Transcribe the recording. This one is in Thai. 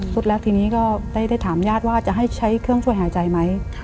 สุดแล้วทีนี้ก็ได้ถามญาติว่าจะให้ใช้เครื่องช่วยหายใจไหม